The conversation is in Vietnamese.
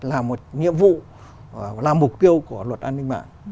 là một nhiệm vụ là mục tiêu của luật an ninh mạng